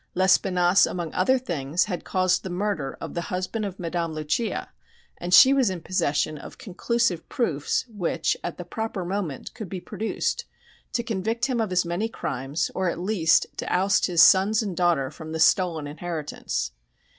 Lespinasse, among other things, had caused the murder of the husband of Madame Luchia, and she was in possession of conclusive proofs which, at the proper moment, could be produced to convict him of his many crimes, or at least to oust his sons and daughter from the stolen inheritance.